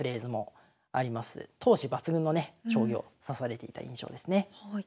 闘志抜群のね将棋を指されていた印象ですね。